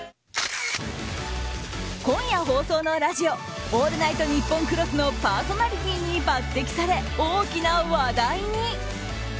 今夜放送のラジオ「オールナイトニッポンＸ」のパーソナリティーに抜擢され大きな話題に。